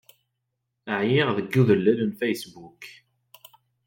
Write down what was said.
Ɛyiɣ deg udellel n Facebook.